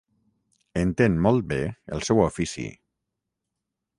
Entén molt bé el seu ofici.